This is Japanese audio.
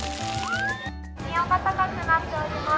気温が高くなっております。